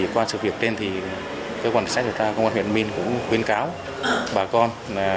qua sự việc tên thì cơ quan cảnh sát điều tra công an huyện đắk minh cũng khuyên cáo bà con